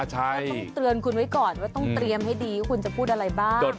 ต้องเตือนคุณไว้ก่อนว่าต้องเตรียมให้ดีว่าคุณจะพูดอะไรบ้าง